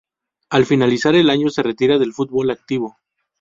Al finalizar el año se retira del fútbol activo.